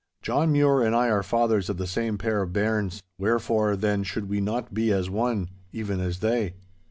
John Mure and I are fathers of the same pair of bairns, wherefore, then, should we not be as one—even as they?